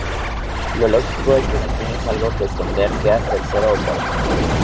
Lo lógico es que si tienes algo que esconder, quedas tercero o cuarto.